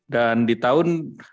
dan di tahun